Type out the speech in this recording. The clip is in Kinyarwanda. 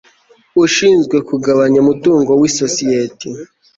ushinzwe kugabanya umutungo w isosiyete